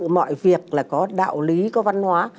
mọi việc là có đạo lý có văn hóa